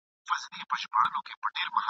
د مځکي پر سر د راتګ واک ورکړل سي